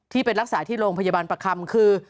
ไปรักษาที่โรงพยาบาลประคำคือ